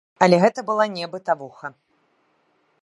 Але гэта была не бытавуха.